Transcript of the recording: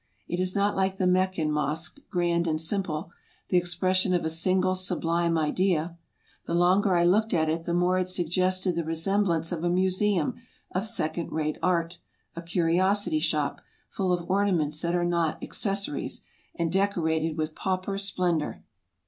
It is not like the Meccan mosque, grand and simple, the expression of a single sublime idea; the longer I looked at it the more it suggested the re semblance of a museum of second rate art, a curiosity shop, full of ornaments that are not accessories, and decorated with pauper splendor.